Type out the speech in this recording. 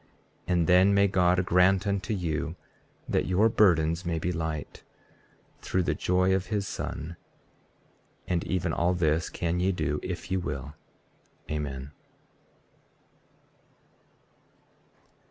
And then may God grant unto you that your burdens may be light, through the joy of his Son. And even all this can ye do if ye will. Amen.